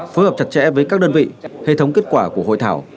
phối hợp chặt chẽ với các đơn vị hệ thống kết quả của hội thảo